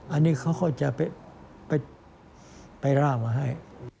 อันนี้เขาก็จะไปร่างมาให้